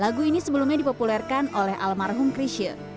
lagu ini sebelumnya dipopulerkan oleh almarhum chrisha